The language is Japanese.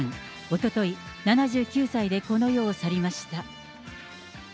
おととい、７９歳でこの世を去りました。